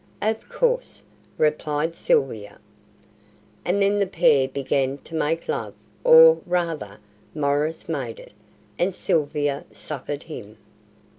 "Of course," replied Sylvia. And then the pair began to make love, or, rather, Maurice made it, and Sylvia suffered him.